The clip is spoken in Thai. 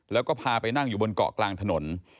แล้วก็พาไปนั่งอยู่บนเกาะกลางถนน